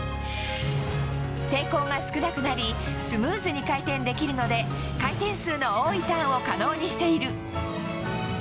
抵抗が少なくなりスムーズに回転できるので回転数の多いターンを可能にしている。